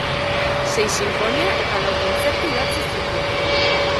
Sei sinfonia eta lau kontzertu idatzi zituen.